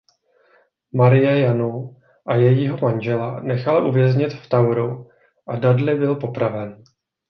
Marie Janu a jejího manžela nechala uvěznit v Toweru a Dudley byl popraven.